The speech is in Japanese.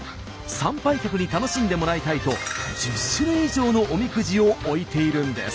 参拝客に楽しんでもらいたいと１０種類以上のおみくじを置いているんです。